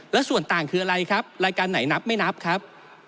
แล้วส่วนต่างคืออะไรครับรายการไหนนับไม่นับครับ